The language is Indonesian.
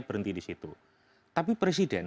berhenti di situ tapi presiden